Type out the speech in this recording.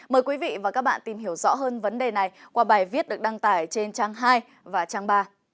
mời quý vị và các bạn tìm hiểu rõ hơn vấn đề này qua bài viết được đăng tải trên trang hai và trang ba